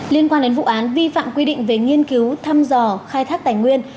liên quan đến vụ án vi phạm quy định về nghiên cứu thăm dò khai thác tài nguyên